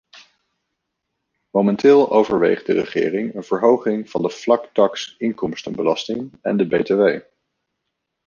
Momenteel overweegt de regering een verhoging van de vlaktaks inkomstenbelasting en de btw.